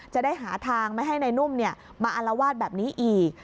จะได้หาทางไม่ให้นายนุ่มมาอารวาสแบบนี้อีก